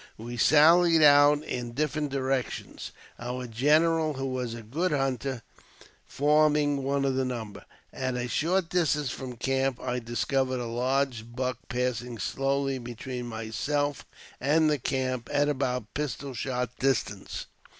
We sallied out in different direc tions, our general, who was a good hunter, forming one of the number. At a short distance from the camp I discovered a large buck passing slowly between myself and the camp, at about pistol shot distance.